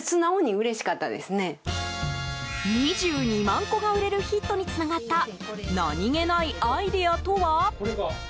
２２万個が売れるヒットにつながった何げないアイデアとは？